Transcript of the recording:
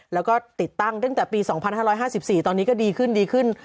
แล้วก็ติดตั้งพฤตธิ์ตั้งแต่ปี๑๔๙๔ตอนนี้ก็ดีขึ้น